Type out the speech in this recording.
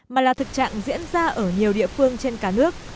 mà là thực trạng diễn ra ở nhiều địa phương trên cả nước